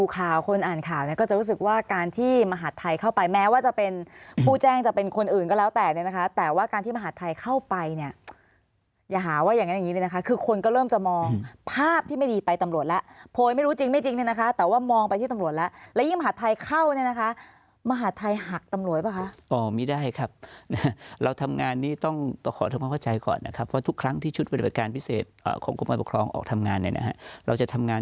การที่มหาดไทยเข้าไปแม้ว่าจะเป็นผู้แจ้งจะเป็นคนอื่นก็แล้วแต่เนี่ยนะฮะแต่ว่าการที่มหาดไทยเข้าไปเนี่ยอย่าหาว่าอย่างนั้นอย่างนี้เลยนะค่ะคือคนก็เริ่มจะมองภาพที่ไม่ดีไปตำรวจแล้วโพยไม่รู้จริงไม่จริงเนี่ยนะฮะแต่ว่ามองไปที่ตำรวจแล้วแล้วยิ่งมหาดไทยเข้าเนี่ยนะฮะมหาดไทยหักตำรวจป่าวคะอ